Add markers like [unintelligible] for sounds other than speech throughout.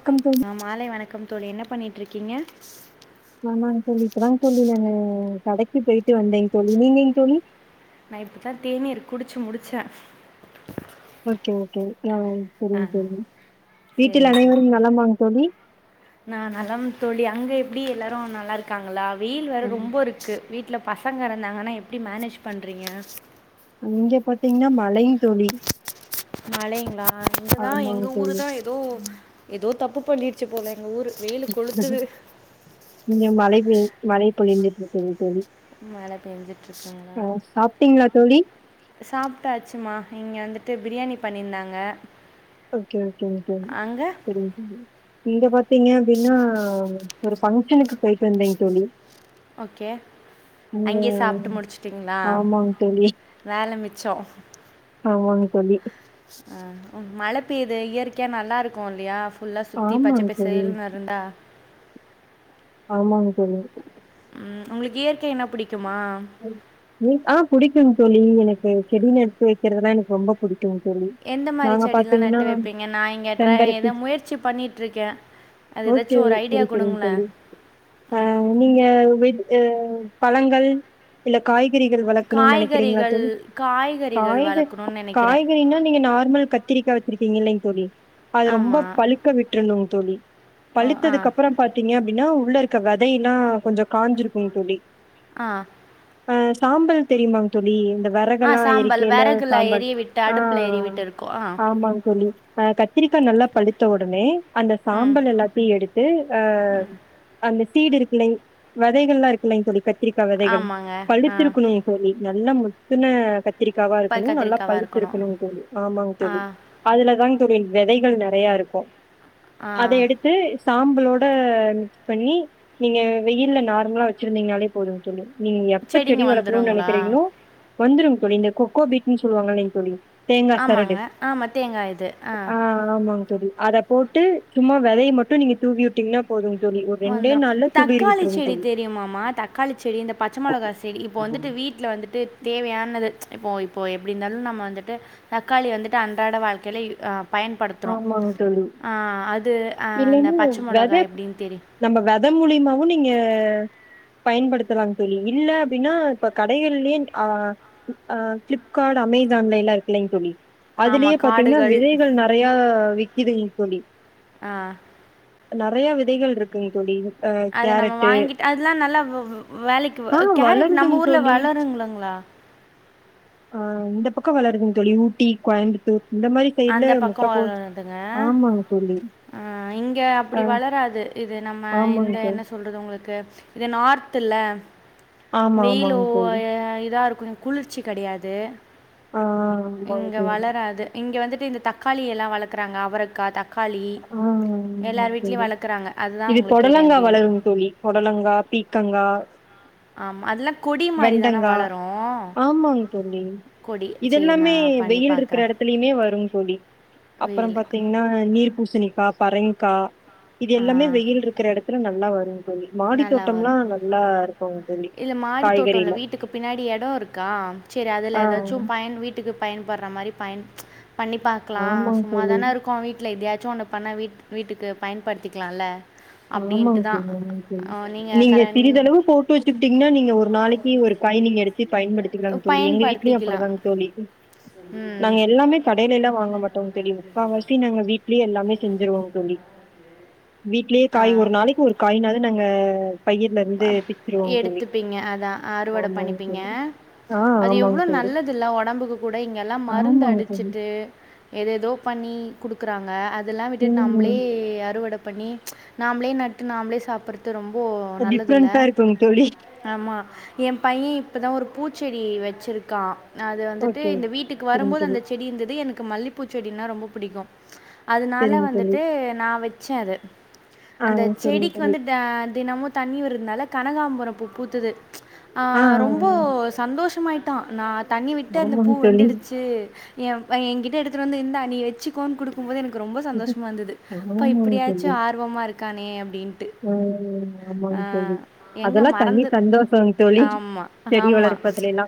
வணக்கம் தோழி ஆ மாலை வணக்கம். தோழி என்ன பண்ணிட்டு இருக்கீங்க. ஆமாங் தோழி இப்பதா தோழி, நாங்க கடைக்கு போயிட்டு வந்தேங் தோழி நீங்கங் தோழி. நா இப்பதா தேனீர் குடிச்சு முடிச்சே ஓகே ஓகே. ஆ செரிங்க செரிங்க வீட்டில் சரிங்க தோழி அனைவரும் நலமாங் தோழி. எப்டி எல்லாரு நல்லா இருக்காங்களா. வெயில் வேற ம். ரொம்ப இருக்கு வீட்லப் பசங்க இருந்தாங்கன்னா எப்டி மேனேஜ் பண்றீங்க இங்க பாத்தீங்கன்னா மழை தோழி. மழைங்களா எங்கதா எங்க ஆமாங்க தோழி ஊருதா எதோ எதோ தப்பு பண்ணிடுச்சு போல எங்க ஊரு. இங்க மழை பெய்து மழை. பொழிந்திட்ருக்குது தோழி. மழை பெஞ்சுட்டு இருக்கீங்களா ஆ சாப்பிட்டீங்களா தோழி சாப்டாச்சுமா இங்க வந்துட்டு பிரியாணி பண்ணியிருந்தாங்க. ஒகே ஒகே ஒகே அங்கே புரியுது இங்க பாத்தீங்க அப்டின்னா ஒரு சங் கிச்சனுக்கு போய்ட்டு வந்தேங் தோழி ஓகே இங்க அங்கயே சாப்ட்டு முடிச்சுட்டீங்களா ஆமாங்க தோழி வேல மிச் சோ ஆமாங்க தோழி ஆ உம் மழ பெய்யுது இயற்கையா நல்லா இருக்கும் இல்லயா ஃபுல்லா சுத்தி பச்ச ஆமாங்க தோழி பசேல்னு இருந்தா ஆமாங்க தோழி உம், உங்களுக்கு இயற்கை என்ன பிடிக் ஆஹ் புடிக்கும் தோழி எனக்கு செடி நட்டு வைக்கிறதுனா எனக்கு ரொம்ப பிடிக்கு சொல்லுங்க தோழி எந்த மாதிரி நாங்க செடிலாம் பாத்தீங்கனா நட்டு வைப்பீங்க நான் இங்கே ட்ரை செம்பருத்தி எதை முயற்சி பண்ணிட்டு இருக்கேன் அது ஓகே ஏதாச்சும் ஒரு ஐடியா சேரி சேரிங்க கொடுங்களேன் தோழி ஆஹ் நீங்க வெஜ் அஹ் பழங்கள் இல்ல காய் கீரைகள் வளர்க்கணும்னு நினைக்கிறீங்களா காய்கறிகள் தோழி காய்கறிகள் காய்கறி வளர்க்கணும்னு நினைக்கிறேன் காய்கறின்னா நீங்க நார்மல் கத்திரிக்காய் வச்சிருக்கீங்க இல்லங்க தோழி அது ரொம்ப ஆமாம் பழுக்க விட்டுருனு தோழி ஓ ஆ பழுத்ததுக்கு அப்புறம் பாத்தீங்க அப்படின்னா, உள்ள இருக்க விதைல்லாம் கொஞ்சம் காஞ்சிருக்கும், தோழி ஆஹ் ஆஹ சாம்பல் தெரியுமா தோழி இந்த ஆ வரகலாம் சாம்பல் எரிக்கையில விறகுல சாம்பல் எரிய விட்டு அடுப்பில் எரிய ஆஹ் விட்டு இருக்கோம் ஆ ஆமா தோழி, அஹ் கத்திரிக்காய் நல்லா பழுத்த உடனே அந்த ம் சாம்பல் எல்லாத்தையும் எடுத்து, அஹ் அந்த சீடு இருக்கல வதைகள் எலாம் இருக்கலலைங்க தோழி க திரிக்க விதைகள் ஆமாங்க ஆ பழுத்திருக்கணும்ங்க தோழி நல்ல முத்துன கத்திரிக்காவா பல் இருக்கணும் நல்லா கத்திரிக்காவா பழுத்து இருக்கணும், தோழி ஆமாங்க, ஆ தோழி அதுல தாங்க தோழி விதைகள் நிறைய இருக்கு ஆ அத எடுத்து சாம்பலோட ஹா பண்ணி நீங்க வெயில்ல நார்மலா வச்சிருந்தீங்கன்னாலே போதும் தோழி நீங்க எப்ப செடிங்க செடி வளர்க்கணும்னு வந்துடுங்களா நினைக்கிறீங்களோ, வந்துருங்க தோழி இந்த கொக்கோ பீட்ன்னு சொல்லுவாங்களேங்க தோழி தேங்கா சரடு ஆமாங்க ஆமா தேங்கா இது ஆஹ் அதை போட்டு, சும்மா வதைய மட்டும் நீங்க தூவி விட்டீங்கன்னா போதும். வந்துரும், தக்காளி செடி தெரியுமாமா தக்காளி செடி இந்த பச்ச மிளகா செடி இப்போ வந்துட்டு, வீட்டல வந்துட்டு தேவையான இப்போ இப்போ எப்படி இருந்தாலு நம்ம வந்துட்டு, தக்காளி வந்துட்டு அன்றாட வாழ்க்கல ஆ பயன்படுத்துறோ ஆமாங் தோழி ஹா அது ஹா அந்த இல்லன்னா பச்சை வெத மொளகா எப்படின்னு தெரியு நம்ம வெத மூலியமாவும் நீங்க பயன்படுத்தலா தோழி இல்ல அப்படின்னா இப்ப கடைகள்லயே அஹ் ஆஹ் ஃபிளிப்கார்ட், அமேசான்லலாம் இருக்கலங்க தோழி அதுலேயே ஆமாம் பாத்தீங்கன்னா காடுகள் விதைகள் ந நிறைய விக்குதுங்க தோழி ஆ நிறைய விதைகள் இருக்குங்க தோழி அத நம்ம வாங்கிட்டு அதெல்லாம் நல்லா ஒஹோ ஆ வேலைக்கு கேரட் வளருதுங் நம்ம ஊர்ல வளருங்களா ஆஹ் இந்த பக்கம் வளருதுங்க தோழி ஊட்டி கோயம்புத்தூர் இந்த மாரி சைட்ல அந்த பக்கோ முட்டக்கோஸ் வளருதுங்க ஆமாங்க தோழி ஆஹ் இங்க அப்படி ஆ வளராது இது நம்ம ஆமாங்க இந்த தோழி என்ன சொல்றது உங்களுக்கு இது நார்த்துல ஆமா வெயிலோ ஆமாங்க தோழி ஆஹ் இதா இருக்கு குளிர்ச்சி கிடையாது ஆஹ் ங்க வந்துட்டு இந்த தக்காளி எல்லா வளர்க்குறாங்க அவரக்கா தக் ஆஹ் வளர்க்குறாங்க. அதுதான் இது உங்கள கேட்டேன் பொடலங்கா எப்படி இது வளரும் தோழி பொடலங்கா பீக்கங்கா ஆமா. அதெல்லாம் கொடி மாரி தான வெண்டங்காய வளரும்? ஆமாங் தோழி கொடி. சரி இதெல்லாமே நான் பண்ணி வெயில் இருக்கிற பார்க்குறேன். இடத்துலயுமே வரு தோழி அப்ரோ வெயில் பார்த்தீங்கன்னா நீர்ப ப்பா பரங்கிக்கா இது ஆ எல்லாமே வெயில் இருக்கிற இடத்துல ந நல்லா வரு நல்லா வரு தோழி இல்ல மாடி தோட்டோ இல்ல காய்கறில வீட்டுக்கு பின்னாடி எடோ இருக்கா செரி அதுல ஆ ஏதாச்சு பயன் வீட்டுக்கு பயன்படுற மாரி பயன் பண்ணி பார்க்கலா ஆமாங்க சும்மா தோழி தானே இருக்கும் வீட்டில இதயாச் சூ அந்த பண்ண வீட் வீட்டுக்கு பயன்படுத்திக்கலால ஆமாங்க [unintelligible] ஆமாங்க [unintelligible] நீங்கள் நீங்க கரண் சிறிதளவு போட்டு வச்சிட்டீங்கன்னா நீங்க ஒரு நாளைக்கு ஒரு காய் நீங்க எடுத்து பயன்படுத்திக்கலங்க தோழி எங்க வீட்லயும் பயன்படுத்திக்கலாம் அப்படிதாங்கதோழி ம் நாங்க எல்லாமே கடையில எல்லா வாங்க மாட்டோங்க சொி முக்கால்வாசி நாங்க வீட்டு ட்லியே எல்லாமே செஞ்சிருவோங்க தோழி வீட்லியே காய் ஆ ஒரு நாளைக்கு ஒரு காய்னாவது நாங்க உம் எடுத்துப்பீங்க அதா அறுவட ஆமாங்க பண்ணிப்பீங்க தோழி ஆ அது ஆமாங்க எவ்ளோ தோழி நல்லது இல்ல உடம்புக்கு கூட இங்கெல்லா மருந்து ஆமாங்க தோழி அடிச்சுட்டு ஏதெதோ பண்ணி குடுக்குறாங்க அது தெல்லா விட்டுட்டு நம்பளே ம் அறுவட பண்ணி நாமளே நட்டு நாமளே சாப்பிடுற ரொம்போ நல்லது டிஃப்ரண்டா இருக்கு தோழி என் பைய இப்போதா ஒரு பூச்செடி வச்சிருக்கா அது வந்துட்டு ஓகே ஓகே இந்த வீட்டுக்கு சரிங்க வரும்போது தோழி அந்த செடி இருந்தது எனக்கு கு மல்லிப்பூச்செடின்னா ரொம்ப பிடிக்கு அதனால சரிங்க தோழி வந்துட்டு நா வச்ச அது ஆ அந்த சரிங்க செடிக்கு தோழி வந்து த தினமு தண்ணி ஒரு னால கனகாம்புரொ பூ பூத்தது ஆ ஆஹ் ரொம்ப சந்தோஷமாய் தா நா தண்ணி விட்டு அந்த பூ ஆமாங்க தோழி வந்துடுச்சு எ அவ எகிட்ட எடுத்து வந்து இந்தா நீ வெச்சுக்கோன் கொடுக்கும் போது எனக் கு ரொம்ப சந்தோஷமா இருந்தது பா இப்டியாச்சு ஆர்வமா இருக்கானே அப் உஹ் உஹ் ஆமாங்க தோழி எங்கே அதெல்லா தணி மறந்துரு சந்தோஷொ தோழி ஆமாம் செடி ஆமாம் வளர்ப்பதுல எல்லா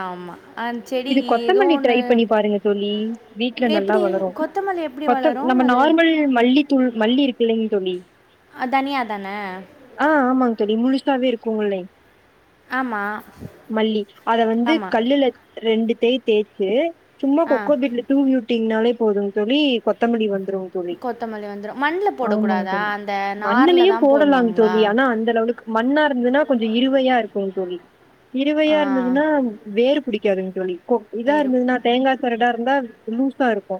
ஆமாம் ஆ செடி இது ஏதோ கொத்தமல்லி ஒன்று ட்ரை பண்ணி பாருங்க தோழி வீட்ல நல்லா எப்படி வளரு கொத்தமல்லி எப்படி கொத்த வளரும் நம்ம அது நார்மல் மல்லி தூள் மல்லி இருக்கு இல்லைங்க தோழி தனியாக தானே ஆஹ் ஆமாங்க தோழி முழுசாவே இருக் கூல ஆமாம் மல்லி அத வந்து ஆமாம் கல்லுல ரெண்டுத்தையு தேச்சு சும்மா ஆ கொக்கொப்பிட்ல தூவி வுட்டிங்க்னாலே போதுங்க தோழி கொத்தமலி வந் கொத்தமல்லி வந்துரு மண்ல போடக் ஆமாங்க கூடாதா தோழி அந்த நாரில் மண்ணுலயு தான் போடலாங்க போடணுங்களா தோழி ஆனா அந்த லெவல்லுக்கு மண்ணா இருந்ததுன்னா கொஞ்சொ இருவையா இருக்குங் கு தோழி ஆ இருவையா இருந்ததுன்னா வேறு பிடிக்காதுங்க் தோழி கோ இதா இரு இருந்தது நா தேங்கா சரடா இருந்தா லூஸா இருக்கூ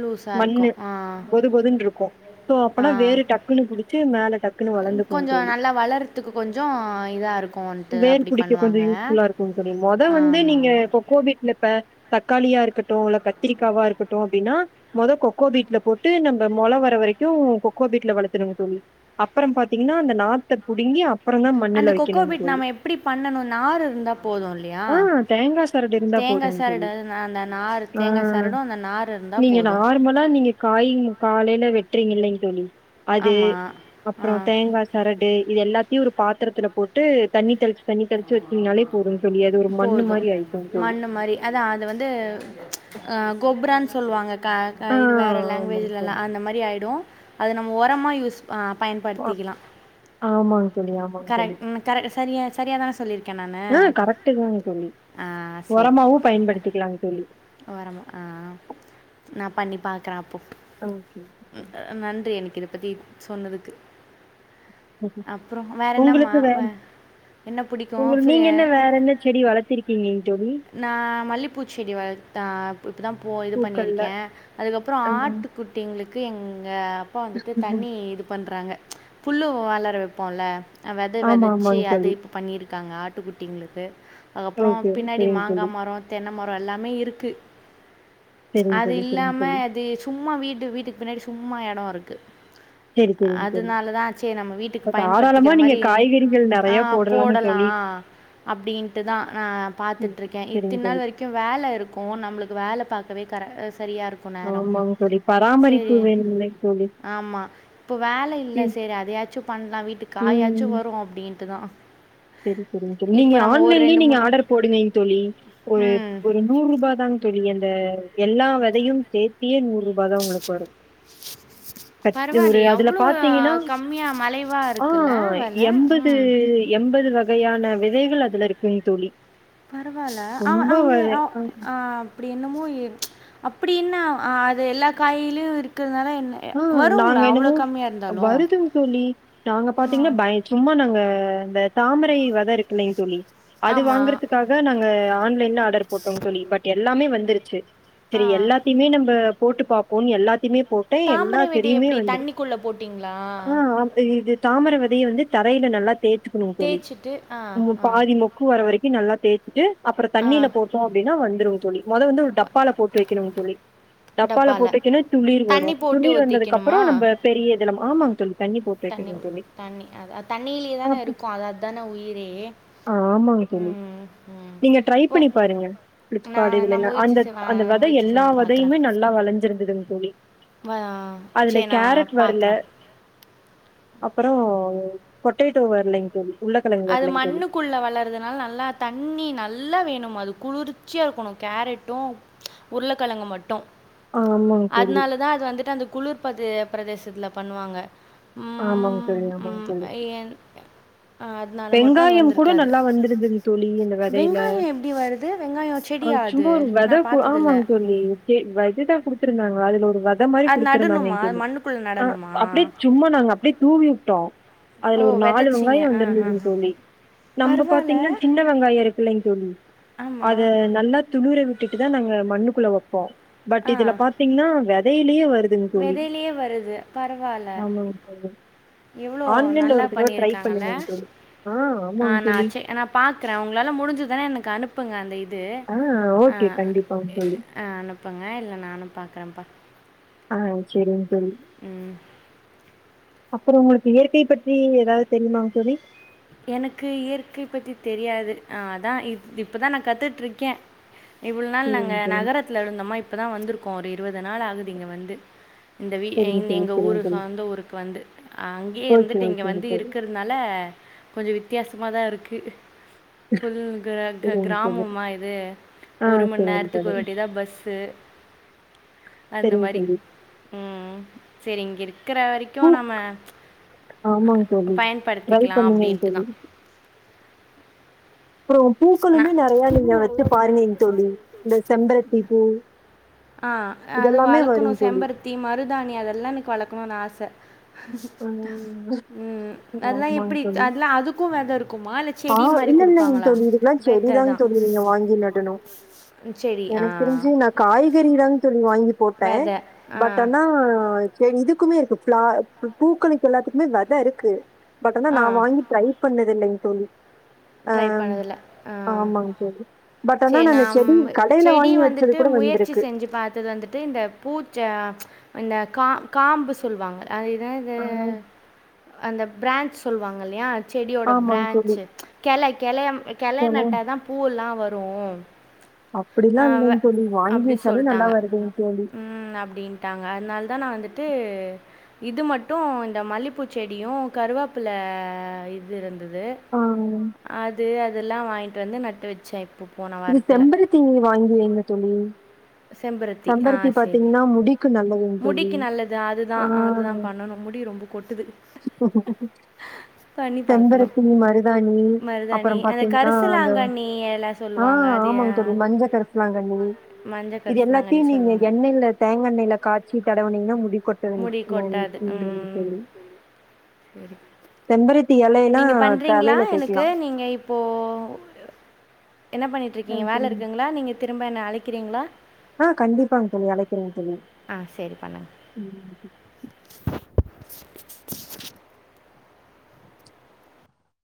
லூஸாக மண்ணு இருக்கும் ஆ பொது பொதுன்னு இருக்கூ சோ ஆ அப்பனா வேறு டக் பு புடிச்சு மேலத் டக்குன்னு வளந்துக்குங்க் கொஞ்சம் தோழி நல்லா வளர்கிறதுக்கு கொஞ்சம் இதாக இருக்கும்ன்ட்டு வேர் அப்படி பிடிக்க கொஞ்சொ பண்ணுவாங்க யூஸ் ஃபுல்லா இருக்குங் தோழி மொத வந்து ஆமாம் நீங்க ஆமாம் இப்போ கோவிட்லப்ப தக்காளியா இருக்கட்டு இல்ல கத்திரிக்காவா இருக்கட்டு அப்டின்னா மொத கொக்கோபீட்ல போட்டு நம்ம மொள வர வரைக்கூ கொக்கோபீட்ல வளத் துடுங்க தோழி அப்றம் பாத்தீங்கன்னா அந்த நாத்த புடுங்கி அப் அந்த கொக்கோபீட் நாம எப்டி பண்ணணு நார் இருந்தா போது இல்லையா ஆ தேங்கா சரடு இருந்தா தேங்கா போதுங்க தோழி சரட அந்த நார் தேங்க ஆ சரடு அந்த நார் இருந்தா நீங்க போது நார்மலா நீங்க காய் காலையில வெட்றீங்க இல்லைங்க தோழி அது ஆமாம் ஆ அப்பறோ தேங்காய் சரடு இது எல்லாத்தையும் ஒரு பாத்துரத்துல போட்டு தண்ணி தெளிச் தண்ணி தெளிச்சு வச்சீங்கனாலே போறும்ன்னு சொல்லி அது ஒரு மண்ணு போதும் மாரி ஆயிரு தோ தோழி மண் மாதிரி அதான் அது சொல்வாங்க காக ஆ இது வேற ஆமாங்க லாங்குவேஜுலெல்லா தோழி அந்த மாரி ஆயிடும் அது நம்ம ஒரமா ரிஸ்க் அ பயன்படுத்திக்கிலா ஆமாங் தோழிஆமாங்க தோழி சரியா சரியாக தானே சொல்லியிருக்கேன் நான் ஆ கரக்ட்டுதாங்க தோழி ஆ ஒரமாவு பயன்படுத்திக்கலாங்க தோழி ஒரமா ஆ நா பண்ணி பாக்குறே அப் போ ஓகே அ நன்றி எனக்கு இரு த பத்தி சொன்னதுக்கு அப்புறம் வேறு என்னம்மா உங்களுக்கு வேற வே என்ன உங்க பிடிக்கும் ஃப்ரி நீங்க என்ன வேற என்ன செடி வளத்திருக்கீங்கன்னு தோழி பூச் செடி வளத் தா இப்போ தா போ இது பூக்கள்ல பண்ணியிருக்கே அதுக்கப்பறோ ஆட்டு குட்டிங்களுக் க்கு எங் எங்கள் அப்பா வந்துட்டு தண்ணி இது பண்ணுறாங்க புல்லு வளற வெப்போல வெத ஆமா வெதச்சு ஆமாங்க அது தோழி இப்போ பண்ணியிருக்காங்க ஆட் பட்டு குட்டிங்களுக்கு அதுக்கப்பறோ ஓகே பின்னாடி சரிங்க மாங்கா தோழி மரோ தென்ன மரோ எல்லாமே இருக் க்கு சரிங்க அது தோழி சரிங்க இல்லாம தோழி அது சும்மா வீடு வீட்டுக்கு பின்னாடி சும்மா எடோ இருக்கு சரி சரிங்க தோழி அதனாலதா செரி நம்ம வீட்டுக்கு இப்ப தாராளமா பயன்படுத்திக்கிற நீங்க மாரி காய்கறிகள் ஆ நெறைய போடலாங்க போடலா தோழி அப்டின்ட்டுதா நா ம் பாத்துட்டு இருக்கே செரிங்க இத்தின் தோழி நாள் வரைக்கு வேல இருக்கு நம்மளுக்கு வேல பாக்கவே கர அ சொ சரியா இருக்கு நேரோ ஆமாங்க தோழி பராமரிப்பு செரி வேணும்ல தோழி ஆமாம் இப்போ வேல இல்ல ம் செரி அதையாச்சு பண்ணலா வீட்டுக்கு காயாச்சு ம் வரு அப்டின்ட்டுதா செரி செரிங்க தோழி நீங்க ஆன்லைன்லயே நீங்க ஆர்டர் போடுங்கயேன் ம் தோழி ஒரு ம். ஒரு நூறு ரூப தாங்க தோழி அந்த எல்லா வெதயு சேத்தியே நூறு ரூபாயதா உங்களுக்கு வரு ஒரு பரவாயில்லயே! அதுல அவ்ளோ பாத்தீங்கன்னா கம்மியா மலிவா ஆ இருக்குல்ல வெல. எம்பது ம். எம்பது வக வகையான விதைகள் அதுல இருக்குங் தோழி பரவால அவ ரொம்ப வ அவுங்க அவ அ என்னமோ எ அப்டி என்ன ஆஹ் அது எல்லா காயிலு இருக்குதானே ஆஹ் நாங்க என்னமோ அ வருதுங் தோழி நாங்க பாத்தீங்னா பய சும்மா நாங்க அ இந்த தாமரை வெத இருக்குலைங்க தோழி அது ஆமா. வாங்கறதுக்காக நாங் கா ஆன்லைன் ஆடர் போட்டோங் தோழி பட் எல்லாமே வந் ந்துருச்சு ஆ. செரி எல்லாத்தைமே நம்ப போட்டு பாப்போன் எல்லாத்தைமே போ ஏ எல்லா தாமரை விதைய சேடியுமே எப்படி வந்துரு தண்ணிக்குள்ள போட்டீங்களா? ஆஹ் ஆஹ் இது இது தாமர வெதைய வந்து த ரைல நல்லா தேச்சுக்கணுங் தோழி தேய்ச்சுட்டு ஆ, உம் ஆ, பாதி மக்கு வர வரைக் கு நல்லா தேச்சுட்டு அப்பற ஆ. தண்ணில போட்டோ அப்டினா வந்துருங் தோழி மொத வந்து ஒரு டப்பால போட்டு வெக்கணுங்க தோழி டப்பால போட்டு வெக்கனா துளிர் வரு தண்ணி போட்டு நீர் வந்ததுக்கப்பற ஒத்திக்கணுமா? நம்ப பெரிய இதுல ஆமாங் தோழி த தண்ணி ஊத் தண்ணி அத தண்ணிலேயே ஆ தான இருக்கு அது அத்தான உயிரே ஆமாங்க தோழி உம் உம் உம் நீங்க ட்ரை போ பண்ணி பாருங்க நா பிளிப்கார்ட் இதுல நா எல்லா முயற்சி அந்த செய் அந்த ஆஹ் வெத முயற்சி எல்லா செஞ்சு பாக்குறே வெதையுமே நல்லா வெளைஞ்சிருந்ததுங்க தோழி ஆஹ் அதுல சேரி நா கேரட் பாக்குறே அப்பற போட்டேட்டோ வர்லைங் தோழி உருளக்கெழங்கு அது வரலைங்க தோழி மண்ணுக்குள்ள வளறதுனால நல்லா தண்ணி நல்லா வேணும் அது குளிர்ச்சியா இருக்கணு கேரட்டு உருளக்கெழங்கு மட்டு ஆமாங்க தோழி அதுனாலதா அது வந்துட்டு அந்த குளுர் பது பிரதேசத்துல பண்ணுவாங்க ஆமாங்க ம், தோழி ஆமாங்க ம், தோழி ஏன்- அதனால மட்டும் அது வெங்காயம் கூட வந்திருக்காது நல்லா வந்துருதுங்க தோழி இந்த வெதைல வெங்காயம் எப்படி வருது வெங்காயம் அ செடியா அது சும்மா ஒரு வெத நான் கு பார்த்ததில்ல ஆமாங்க தோழி வெததா குடுத் ருந்தாங்க அதுல ஒரு வெத மாரி அது குடுத்துருந்தாங்க நடணுமா அது மண்ணுக்குள்ளே [unintelligible] ஆஹ் நடணுமா அப்டியே சும்மா நாங்க அப்டியே தூவிவுட் ட்டோ ஓ அதுல ஒரு நாலு விதைச்சிங்க வெங்காய ஆ ஆ வந்திருந்ததுங்க ஆ தோழி நம்ப பரவாயில்ல பாத்தீங்னா சின்ன வெங்காய இருக்குல்லைங் தோழி அத ஆமாம் நல்லா து தூர விட்டுட்டு தா நாங்க மண்ணுக்குள்ள வப்போ பட் இதுல பாத்தீங்னா வெ வெயிலியே வ வெதைலயே வருது பரவால ஆமாங்க தோழி எவளோ ஆன்லைன்ல நல்லா ஒரு தடவ ட்ரை பண்ணிருக்காங்கல்ல பண்ணுங்கங்க தோழி ஆ ஆ ஆமாங்க நா தோழி செ நா பாக்குற உங்ளால முடிஞ்சதுனா எனக் அனுப் புங்க அந்த இத் து ஆ அ ஓகே கண்டிப்பாங்க தோழி அனுப்புங்க இல்ல நானு பாக்குறம்பா ஆங் செரிங்க தோழி ம் அப்பறோ உங்களுக்கு இயற்கை பற்றி எதாவது தெரியுமாங் தோழி எனக்கு இயற்கை பற்றி தெரியாது அ அதா இப் இப்பதா நா கத்துட்ருக்கே இவ்ளொ நாள் நாங்க செரிங்க தோழி நகரத்ல இருந்தொமா இப்பதா வந்துருக்கோ ஒரு இருவத் து நாளாகுது இங்கெ வந்து இந்த வீ செரிங்க இந்‌ தோழி எங்க ஊரு செரிங்க தோழி சொந்த ஊருக் வந்து அங்கே ஓகே இருந்துட்டு இங்க ஓகேங்க வந்து தோழி இருக்கறத்னால கொஞ்சொ வித்யாசமாதாருக்கு ஃபுல் க்ர க செரிங்க தோழி கிராமமா இது ஆ ஒரு மண் செரிங்க நேரத்துக்கு தோழி ஒரு வாட்டி தா பஸ்ஸு அந்த செரிங்க மாரி தோழி உம் சேரிங்கெரு க்குற வரைக்கு பூ நம பயன்படுத்திக்கலா அப்டின் தொழி ந நெறையா நீங்க வச்சு பாருங்கங்க தோழி இந்த செம்பருத்தி பூ ஆ அது இதெல்லாமே வளக்கணு வருங் தோழி செம்பருத்தி மருதாணி அதெல்லானெக்கு வளக் குணுன் ஆச ஆ உம் அதுல்லா ஆமாங்க எப்பிடி தோழி அத்லா அதுக்கு வெதருக் குமா ல செடி மாரி குடுப்பாங்களா செடி தாங் தோழி நீங்க வாங்கி நடனு செடி ஆ எனக் தெரிஞ்சு நா காய்கறி தாங் தோழி வா டே விதை ஆ பட் அனா செ இது க்குமேருக்கு ஃப்ளா பூக்களுக்கெல்லாத்துக்குமே வெத இருக்கு பட் அனா ஆ நா வாங்கி ட்ரை பண்ண தில்லைங்க தோழி ட்ரை பண்ணதுல ஆஹ் ஆமாங்க தோழி பட் ஆனா சேர் நானு நாம் செடி கடையில செடி வாங்கி வச்சது வந்துட்டு கூட முயற்சி வந்திருக்கு செஞ்சு பாத்தது வந்துட்டு இந்த பூச்ச இந்த கா காம்பு சொல்வாங்க ஆயிதா இதூ ஆ அந்தப் ப்ரான்ச் சொல்வாங்கலையா செடியோட ஆமாங்க தோழி ப்ரான்சு கெள கெள யம் கெளய நட்டா தா பூவெல்லா வரு ரூ அப்டிலா இல்லிங் தோழி வாங்கி அப்படி வச்சாலோ நல்லா சொல்லிட்டாங்க வருதுங் தோழி அதா நா வந்துட்டூ இது மட்டூ இந்த மல்லிப்பூச் செடியு கருவப்பில்லா இது இருந்தது ஆ அது அதெல்லா வாங் கிட்டு வந்து நட்டு வச்செ இப் இது செம்பரத்தீ நீங்க வாங்கி வைங்க தோழி செம்பருத்தி ஆஹ் செரி பார்த்தீங்கன்னா, முடிக்கு நல்லதுங்க தோழி. முடிக்கு நல்லது அதுதா ஆ அதுதா பண்ணணு முடி ரொம்ப கொட்டுது பண்ணி பாக்குணு செம்பருத்தி, மருதாணி மருதாணி அந்த கரிசுலாங்கண்ணி எல்லா சொ ஆஹ் ஆமாங் தோழி மஞ்ச கர்ஸ்லாங்கண்ணி மஞ்சள் இது எல்லாத்தியு கரிசலாங்கண்ணி நீங்க சொல்லுவாங்க எண்ணெய்ல தேங்க எண்ணேய்ல காச்சி தடவுனீங்கன்னா முடிக்கொட்டாதுங்க முடி யுனானி கொட்டாது என்று ம் தோழி சரி செம்பருத்தி எலைலா நீங்கள் பண்ணுறீங்களா தலைல எனக்கு தேக்குலா நீங்கள் இப்போது என்ன பண்ணிட்றிக்கீங்க வேல இருக்குங்களா நீங்க திரும்ப என்ன அழைக் க்கிறீங்களா ஆஹ் கண்டிப்பாங்க தோழி அழைக்கிறேங்க தோழி ஆ சரி பண்ணுங்கள் ம்